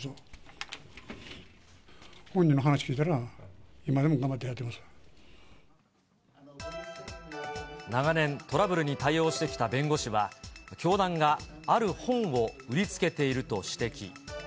本人の話聞いたら、長年、トラブルに対応してきた弁護士は、教団がある本を売りつけていると指摘。